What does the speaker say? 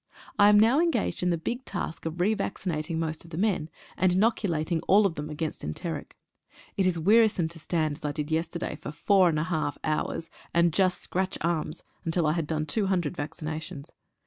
I am now engaged in the big task of re vac cinating most of the men, and inoculating all of them against enteric. It is wearisome to stand, as I did yes terday, for four and a half hours, and just scratch arms until I had done 200 vaccinations.